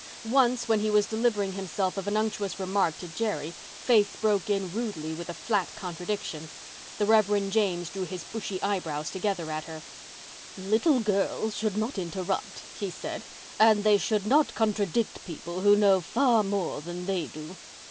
Once, when he was delivering himself of an unctuous remark to Jerry, Faith broke in rudely with a flat contradiction. The Rev. James drew his bushy eyebrows together at her. "Little girls should not interrupt," he said, "and they should not contradict people who know far more than they do."